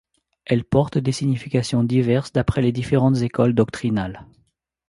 Elle porte des significations diverses d'après les différentes écoles doctrinales.